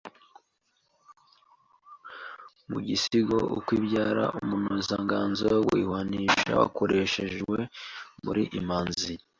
Mu gisigo “Ukwibyara” umunozanganzo w’ihwanisha warakoreshejwe Muri imanzi